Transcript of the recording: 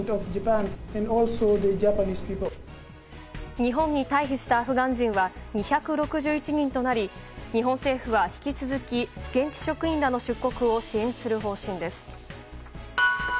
日本に退避したアフガン人は２６１人となり日本政府は引き続き現地職員らの出国を支援する方針です。